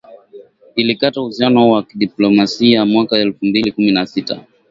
ilikata uhusiano wa kidiplomasia mwaka elfu mbili kumi na sita